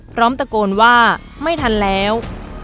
พร้อมตะโกนว่าไม่ทันแล้ว